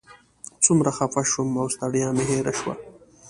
څومره خفه شوم او ستړیا مې هېره شوه.